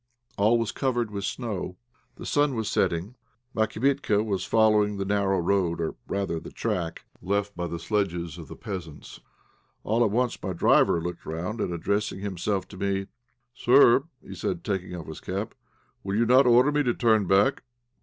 All was covered with snow. The sun was setting. My kibitka was following the narrow road, or rather the track, left by the sledges of the peasants. All at once my driver looked round, and addressing himself to me "Sir," said he, taking off his cap, "will you not order me to turn back?"